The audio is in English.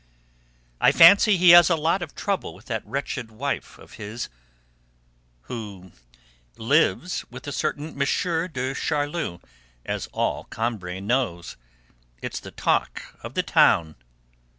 "I fancy he has a lot of trouble with that wretched wife of his, who 'lives' with a certain Monsieur de Charlus, as all Combray knows. It's the talk of the town."